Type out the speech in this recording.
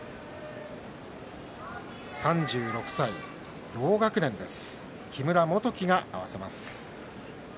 ３６歳、同学年です。